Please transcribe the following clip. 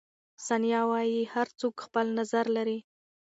ثانیه وايي، هر څوک خپل نظر لري.